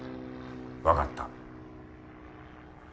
分かった。